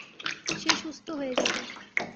সে সুস্থ হয়ে যাবে।